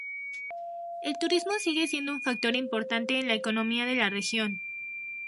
El turismo sigue siendo un factor importante en la economía de la región.